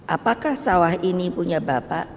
apakah sawah ini punya bapak